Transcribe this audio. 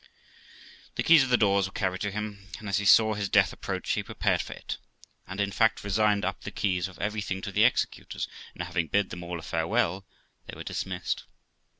The keys of the doors were carried to him, and as he saw his death approach, he prepared for it, and, in fact, resigned up the keys of every thing to the executors, and, having bid them all a farewell, they were dismissed.